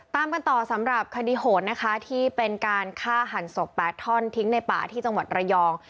ตามกันต่อสำหรับคดีโหดนะคะที่เป็นการฆ่าหันศพ๘ท่อนทิ้งในป่าที่จังหวัดระยอง